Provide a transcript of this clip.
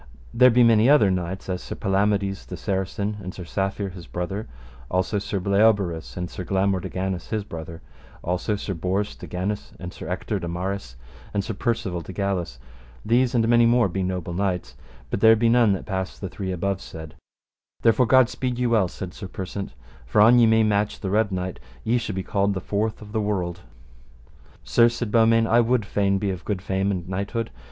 There be many other knights, as Sir Palamides the Saracen and Sir Safere his brother; also Sir Bleoberis and Sir Blamore de Ganis his brother; also Sir Bors de Ganis and Sir Ector de Maris and Sir Percivale de Galis; these and many more be noble knights, but there be none that pass the three above said; therefore God speed you well, said Sir Persant, for an ye may match the Red Knight ye shall be called the fourth of the world. Sir, said Beaumains, I would fain be of good fame and of knighthood.